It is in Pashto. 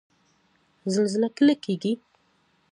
زلزله کله کیږي؟